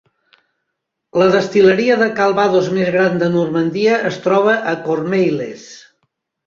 La destil·leria de Calvados més gran de Normandia es troba a Cormeilles.